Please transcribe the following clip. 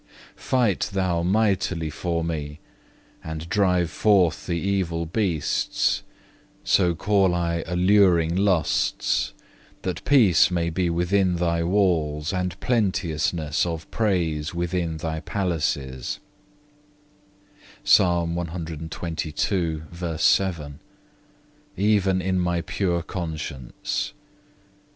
Fight Thou mightily for me, and drive forth the evil beasts, so call I alluring lusts, that peace may be within Thy walls and plenteousness of praise within Thy palaces,(3) even in my pure conscience.